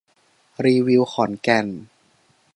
รีวิวขอนแก่น